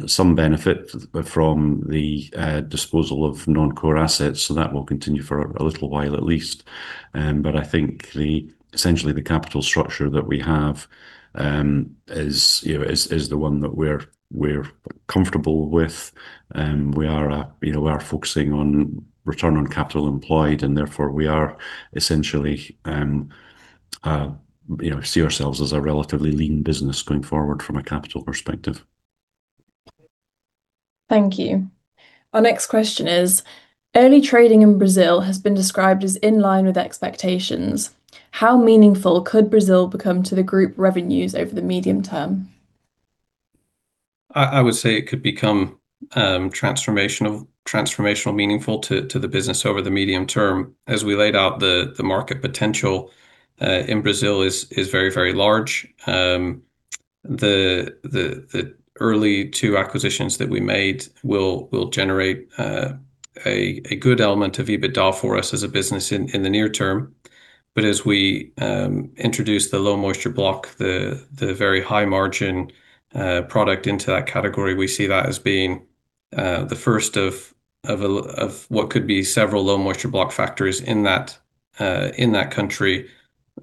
some benefit from the disposal of non-core assets. That will continue for a little while at least. I think essentially the capital structure that we have is the one that we're comfortable with. We are focusing on return on capital employed, and therefore we essentially see ourselves as a relatively lean business going forward from a capital perspective. Thank you. Our next question is, early trading in Brazil has been described as in line with expectations. How meaningful could Brazil become to the group revenues over the medium term? I would say it could become transformational meaningful to the business over the medium term. As we laid out, the market potential in Brazil is very large. The early two acquisitions that we made will generate a good element of EBITDA for us as a business in the near term. As we introduce the low moisture block, the very high margin product into that category, we see that as being the first of what could be several low moisture block factories in that country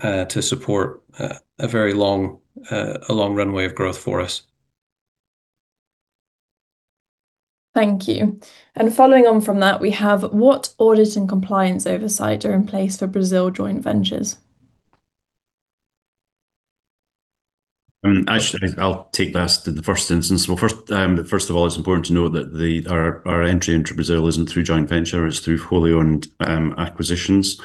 to support a very long runway of growth for us. Thank you. Following on from that, we have what audit and compliance oversight are in place for Brazil joint ventures? Actually, I'll take that in the first instance. Well, first of all, it's important to know that our entry into Brazil isn't through joint venture, it's through wholly owned acquisitions.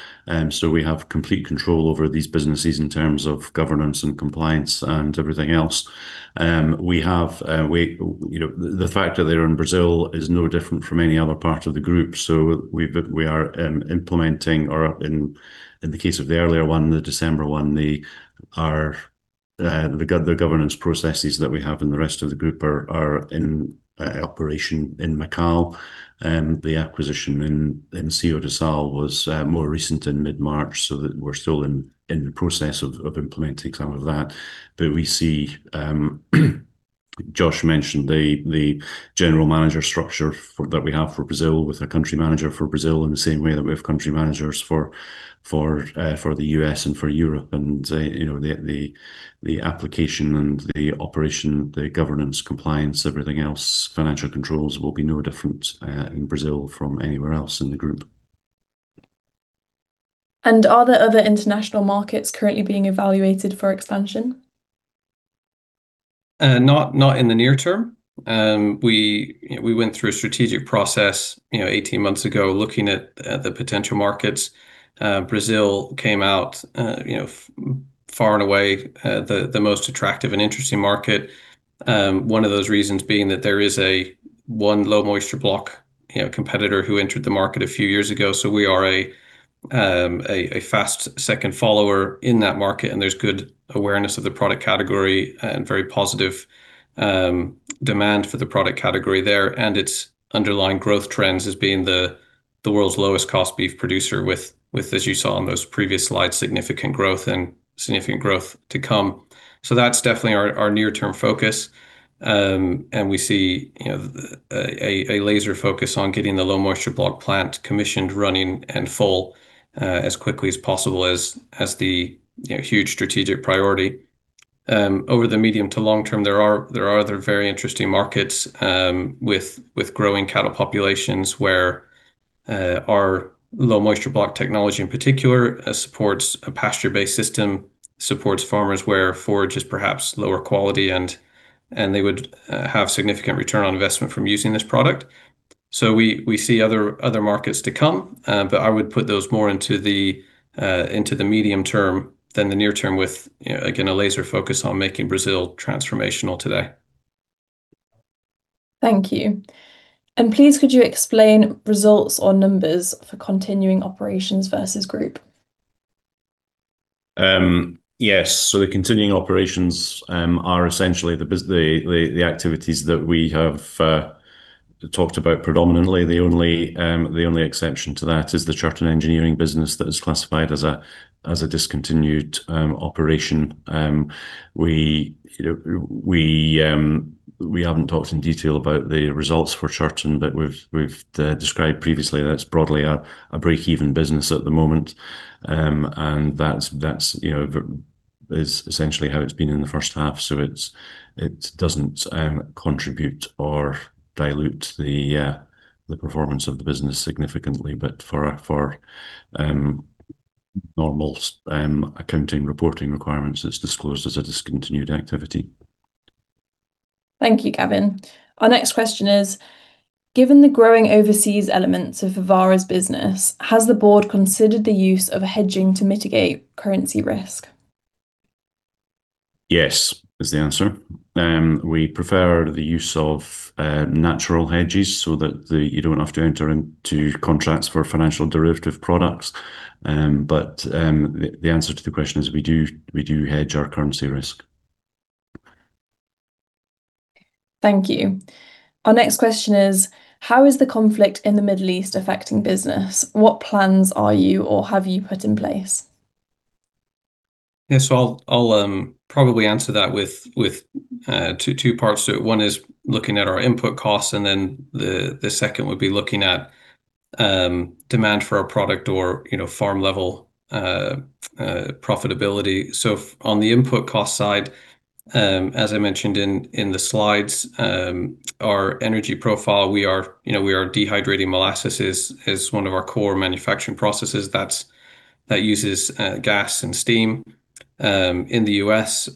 We have complete control over these businesses in terms of governance and compliance and everything else. The fact that they're in Brazil is no different from any other part of the group. We are implementing, or in the case of the earlier one, the December one, the governance processes that we have in the rest of the group are in operation in Macal. The acquisition in Ceará was more recent in mid-March, so we're still in the process of implementing some of that. We see Josh mentioned the general manager structure that we have for Brazil with a country manager for Brazil, in the same way that we have country managers for the U.S. and for Europe. The application and the operation, the governance, compliance, everything else, financial controls will be no different in Brazil from anywhere else in the group. Are there other international markets currently being evaluated for expansion? Not in the near term. We went through a strategic process 18 months ago, looking at the potential markets. Brazil came out, far and away, the most attractive and interesting market. One of those reasons being that there is one low moisture block competitor who entered the market a few years ago. We are a fast second follower in that market, and there's good awareness of the product category and very positive demand for the product category there. Its underlying growth trends as being the world's lowest cost beef producer with, as you saw on those previous slides, significant growth and significant growth to come. That's definitely our near term focus. We see a laser focus on getting the low moisture block plant commissioned, running, and full as quickly as possible as the huge strategic priority. Over the medium to long term, there are other very interesting markets with growing cattle populations where our low moisture block technology in particular supports a pasture-based system, supports farmers where forage is perhaps lower quality, and they would have significant return on investment from using this product. We see other markets to come. I would put those more into the medium term than the near term with, again, a laser focus on making Brazil transformational today. Thank you. Please could you explain results or numbers for continuing operations versus group? Yes. The continuing operations are essentially the activities that we have talked about predominantly. The only exception to that is the Chirton Engineering business that is classified as a discontinued operation. We haven't talked in detail about the results for Chirton, but we've described previously that it's broadly a break-even business at the moment. That is essentially how it's been in the first half. It doesn't contribute or dilute the performance of the business significantly. For normal accounting reporting requirements, it's disclosed as a discontinued activity. Thank you, Gavin. Our next question is: given the growing overseas elements of Fevara's business, has the board considered the use of a hedging to mitigate currency risk? Yes is the answer. We prefer the use of natural hedges so that you don't have to enter into contracts for financial derivative products. The answer to the question is we do hedge our currency risk. Thank you. Our next question is: how is the conflict in the Middle East affecting business? What plans are you or have you put in place? Yeah. I'll probably answer that with two parts to it. One is looking at our input costs, and then the second would be looking at demand for our product or farm level profitability. On the input cost side, as I mentioned in the slides, our energy profile, we are dehydrating molasses as one of our core manufacturing processes that uses gas and steam. In the U.S.,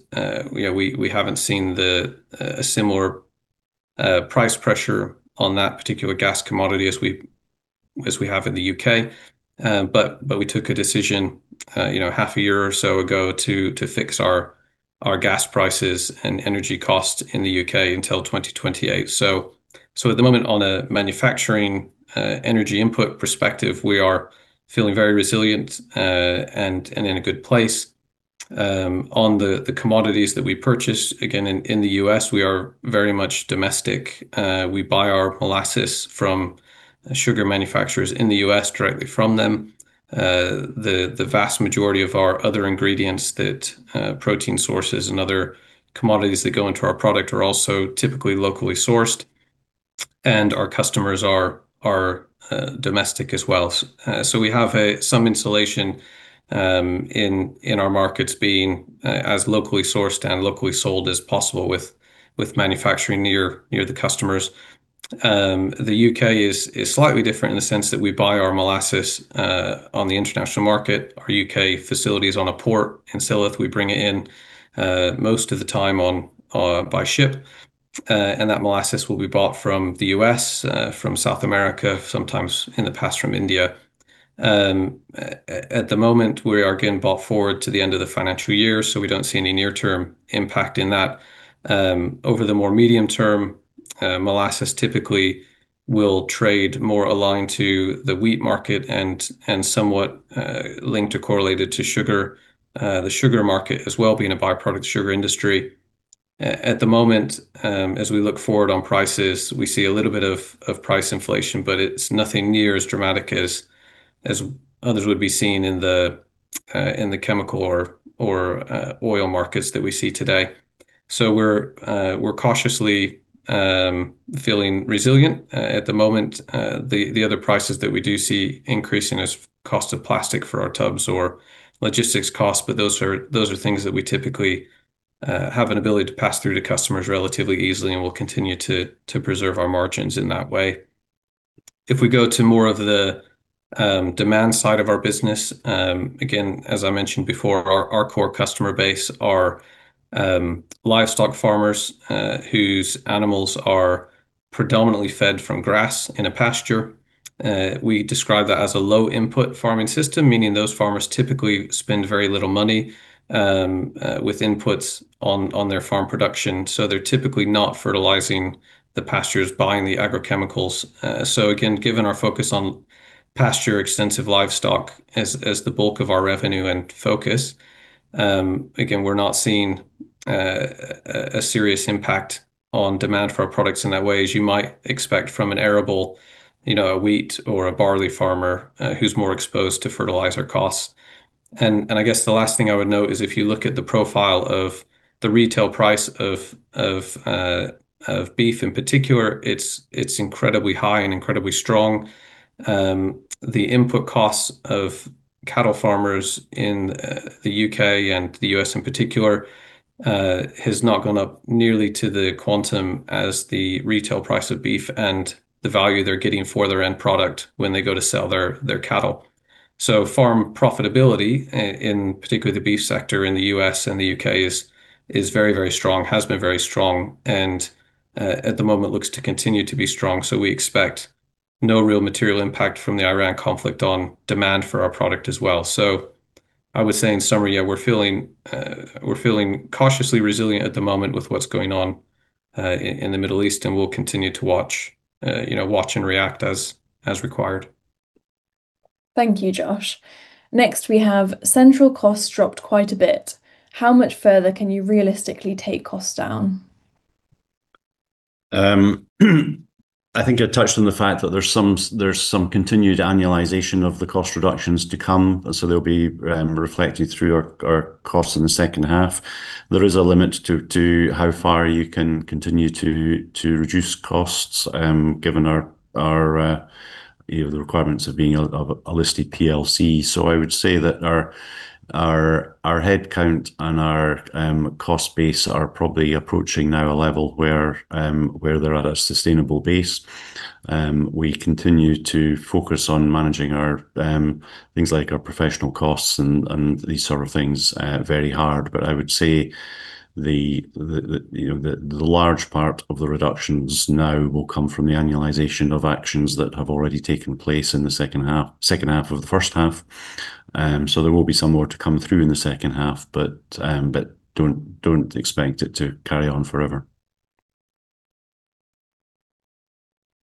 we haven't seen a similar price pressure on that particular gas commodity as we have in the U.K. We took a decision half a year or so ago to fix our gas prices and energy costs in the U.K. until 2028. At the moment, on a manufacturing energy input perspective, we are feeling very resilient and in a good place. On the commodities that we purchase, again, in the U.S., we are very much domestic. We buy our molasses from sugar manufacturers in the U.S. directly from them. The vast majority of our other ingredients, protein sources, and other commodities that go into our product are also typically locally sourced. Our customers are domestic as well. We have some insulation in our markets being as locally sourced and locally sold as possible with manufacturing near the customers. The U.K. is slightly different in the sense that we buy our molasses on the international market. Our U.K. facility is on a port in Silloth. We bring it in most of the time by ship, and that molasses will be bought from the U.S., from South America, sometimes in the past from India. At the moment, we have again bought forward to the end of the financial year, so we don't see any near term impact in that. Over the more medium term, molasses typically will trade more aligned to the wheat market and somewhat linked or correlated to the sugar market as well, being a byproduct of the sugar industry. At the moment, as we look forward on prices, we see a little bit of price inflation, but it's not nearly as dramatic as others would be seeing in the chemical or oil markets that we see today. We're cautiously feeling resilient at the moment. The other prices that we do see increasing is cost of plastic for our tubs or logistics costs, but those are things that we typically have an ability to pass through to customers relatively easily, and we'll continue to preserve our margins in that way. If we go to more of the demand side of our business, again, as I mentioned before, our core customer base are livestock farmers whose animals are predominantly fed from grass in a pasture. We describe that as a low input farming system, meaning those farmers typically spend very little money with inputs on their farm production. They're typically not fertilizing the pastures, buying the agrochemicals. Again, given our focus on pasture extensive livestock as the bulk of our revenue and focus, again, we're not seeing a serious impact on demand for our products in that way, as you might expect from an arable wheat or a barley farmer who's more exposed to fertilizer costs. I guess the last thing I would note is if you look at the profile of the retail price of beef in particular, it's incredibly high and incredibly strong. The input costs of cattle farmers in the U.K., and the U.S. in particular, has not gone up nearly to the quantum as the retail price of beef and the value they're getting for their end product when they go to sell their cattle. Farm profitability, in particular the beef sector in the U.S. and the U.K. is very, very strong, has been very strong, and at the moment looks to continue to be strong. We expect no real material impact from the Iran conflict on demand for our product as well. I would say in summary, yeah, we're feeling cautiously resilient at the moment with what's going on in the Middle East, and we'll continue to watch and react as required. Thank you, Josh. Next we have, "Central costs dropped quite a bit. How much further can you realistically take costs down? I think I touched on the fact that there's some continued annualization of the cost reductions to come, so they'll be reflected through our costs in the second half. There is a limit to how far you can continue to reduce costs given the requirements of being a listed PLC. I would say that our head count and our cost base are probably approaching now a level where they're at a sustainable base. We continue to focus on managing things like our professional costs and these sort of things very hard. I would say the large part of the reductions now will come from the annualization of actions that have already taken place in the second half of the first half. There will be some more to come through in the second half, but don't expect it to carry on forever.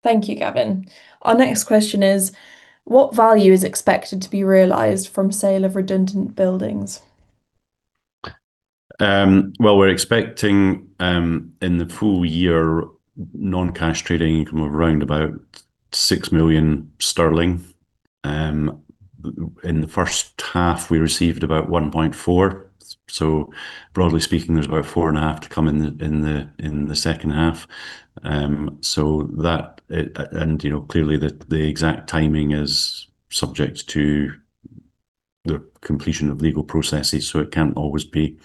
Thank you, Gavin. Our next question is, "What value is expected to be realized from sale of redundant buildings? We're expecting, in the full year, non-cash trading income of around about 6 million sterling. In the first half, we received about 1.4 million. Broadly speaking, there's about 4.5 million to come in the second half. Clearly the exact timing is subject to the completion of legal processes, so it can't always be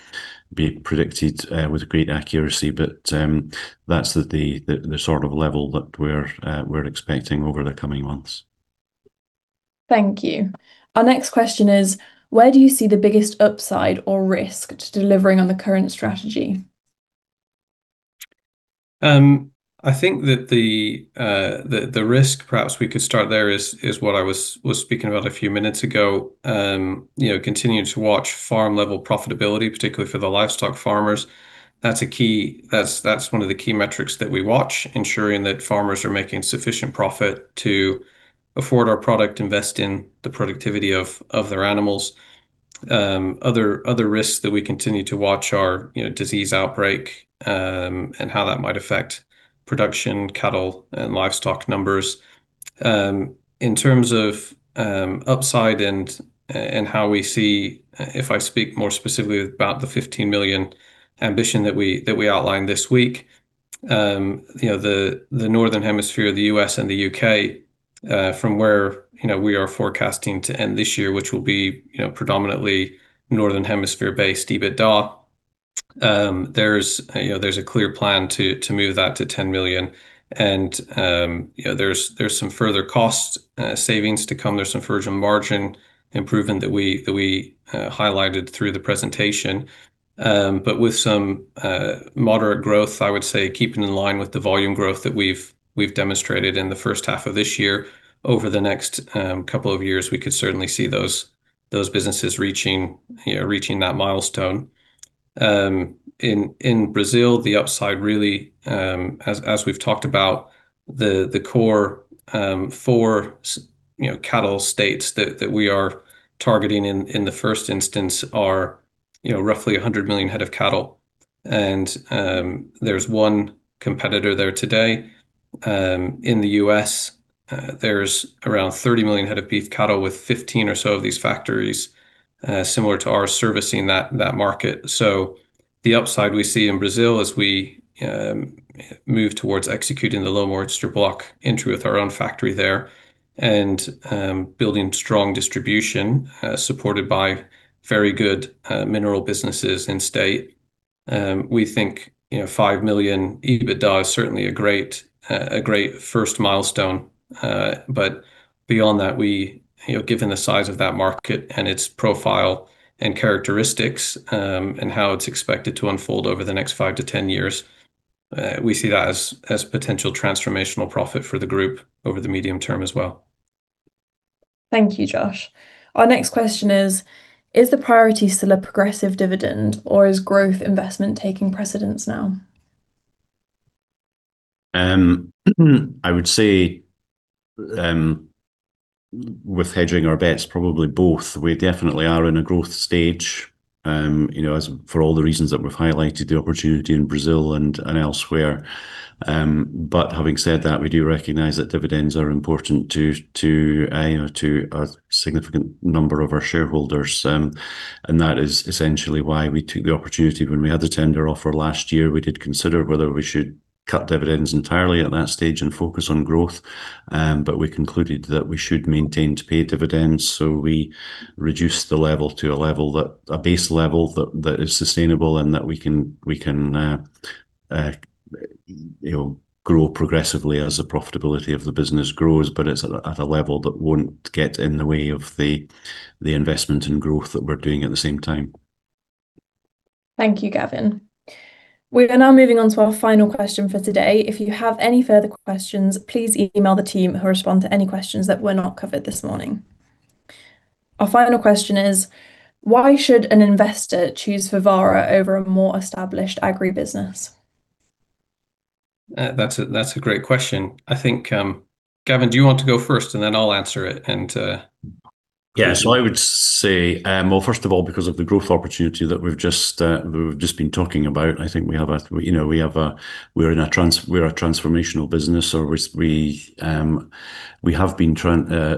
predicted with great accuracy. That's the sort of level that we're expecting over the coming months. Thank you. Our next question is, "Where do you see the biggest upside or risk to delivering on the current strategy? I think that the risk, perhaps we could start there, is what I was speaking about a few minutes ago. Continuing to watch farm level profitability, particularly for the livestock farmers. That's one of the key metrics that we watch, ensuring that farmers are making sufficient profit to afford our product, invest in the productivity of their animals. Other risks that we continue to watch are disease outbreak, and how that might affect production, cattle, and livestock numbers. In terms of upside and how we see. If I speak more specifically about the 15 million ambition that we outlined this week. The Northern Hemisphere, the U.S., and the U.K., from where we are forecasting to end this year, which will be predominantly Northern Hemisphere-based EBITDA. There's a clear plan to move that to 10 million, and there's some further cost savings to come. There's some virgin margin improvement that we highlighted through the presentation. With some moderate growth, I would say keeping in line with the volume growth that we've demonstrated in the first half of this year. Over the next couple of years, we could certainly see those businesses reaching that milestone. In Brazil, the upside really, as we've talked about, the core four cattle states that we are targeting in the first instance are roughly 100 million head of cattle, and there's one competitor there today. In the U.S., there's around 30 million head of beef cattle, with 15 or so of these factories similar to ours servicing that market. The upside we see in Brazil as we move towards executing the low moisture block entry with our own factory there, and building strong distribution supported by very good mineral businesses in the state. We think $5 million EBITDA is certainly a great first milestone. Beyond that, given the size of that market and its profile and characteristics, and how it's expected to unfold over the next five to 10 years, we see that as potential transformational profit for the group over the medium term as well. Thank you, Josh. Our next question is: Is the priority still a progressive dividend, or is growth investment taking precedence now? I would say, with hedging our bets, probably both. We definitely are in a growth stage, as for all the reasons that we've highlighted, the opportunity in Brazil and elsewhere. Having said that, we do recognize that dividends are important to a significant number of our shareholders. That is essentially why we took the opportunity when we had the tender offer last year. We did consider whether we should cut dividends entirely at that stage and focus on growth, but we concluded that we should maintain to pay dividends, so we reduced the level to a base level that is sustainable and that we can grow progressively as the profitability of the business grows. It's at a level that won't get in the way of the investment and growth that we're doing at the same time. Thank you, Gavin. We are now moving on to our final question for today. If you have any further questions, please email the team, who will respond to any questions that were not covered this morning. Our final question is: Why should an investor choose Fevara over a more established agri business? That's a great question. I think, Gavin, do you want to go first, and then I'll answer it and- Yeah. I would say, first of all, because of the growth opportunity that we've just been talking about. I think we're a transformational business.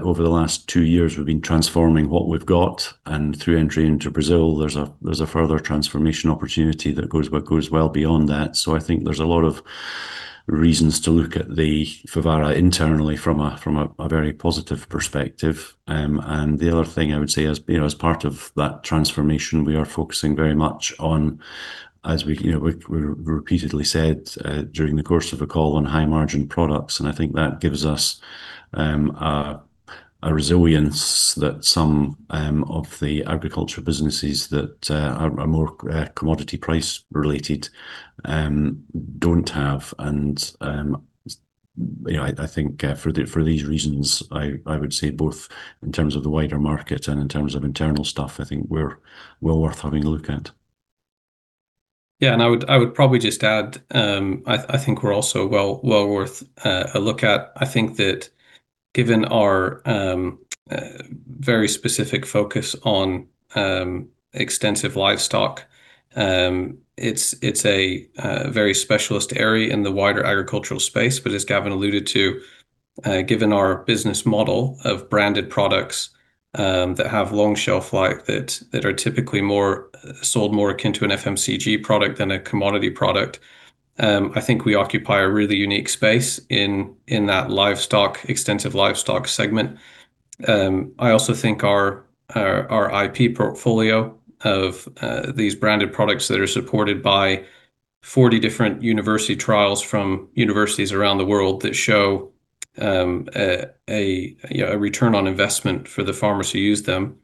Over the last two years, we've been transforming what we've got, and through entry into Brazil, there's a further transformation opportunity that goes well beyond that. I think there's a lot of reasons to look at the Fevara internally from a very positive perspective. The other thing I would say, as part of that transformation, we are focusing very much on, as we repeatedly said during the course of a call on high margin products, and I think that gives us a resilience that some of the agriculture businesses that are more commodity price related don't have. I think for these reasons, I would say both in terms of the wider market and in terms of internal stuff, I think we're well worth having a look at. I would probably just add, I think we're also well worth a look at. I think that given our very specific focus on extensive livestock, it's a very specialist area in the wider agricultural space. As Gavin alluded to, given our business model of branded products that have long shelf life, that are typically sold more akin to an FMCG product than a commodity product, I think we occupy a really unique space in that extensive livestock segment. I also think our IP portfolio of these branded products that are supported by 40 different university trials from universities around the world that show a return on investment for the farmers who use them.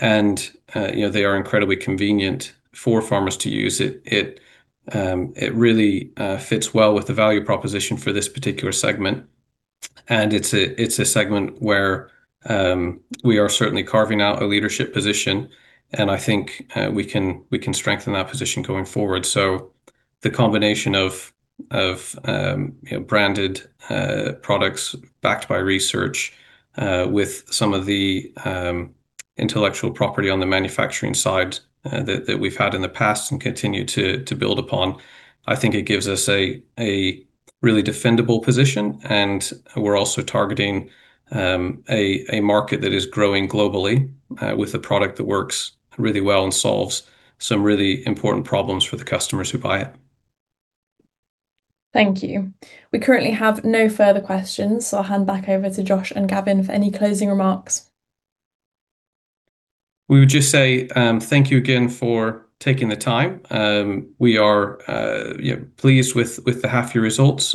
They are incredibly convenient for farmers to use. It really fits well with the value proposition for this particular segment, and it's a segment where we are certainly carving out a leadership position, and I think we can strengthen that position going forward. The combination of branded products backed by research, with some of the intellectual property on the manufacturing side that we've had in the past and continue to build upon, I think it gives us a really defendable position, and we're also targeting a market that is growing globally, with a product that works really well and solves some really important problems for the customers who buy it. Thank you. We currently have no further questions, so I'll hand back over to Josh and Gavin for any closing remarks. We would just say thank you again for taking the time. We are pleased with the half year results.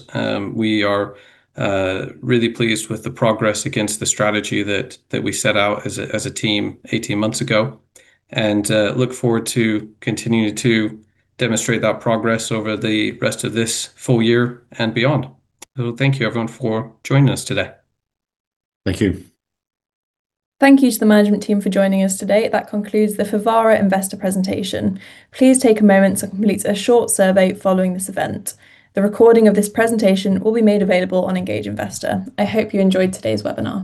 We are really pleased with the progress against the strategy that we set out as a team 18 months ago. Look forward to continuing to demonstrate that progress over the rest of this full year and beyond. Thank you, everyone, for joining us today. Thank you. Thank you to the management team for joining us today. That concludes the Fevara Investor Presentation. Please take a moment to complete a short survey following this event. The recording of this presentation will be made available on Engage Investor. I hope you enjoyed today's webinar.